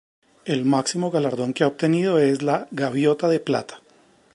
El máximo galardón que ha obtenido es la "gaviota de plata".